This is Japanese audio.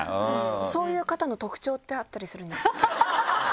そういう方の特徴ってあったりするんですか？